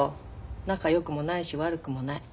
仲よくもないし悪くもない。